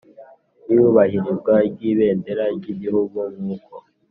n iyubahirizwa by Ibendera ry Igihugu nk uko